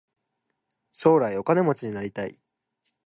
将来お金持ちになりたい。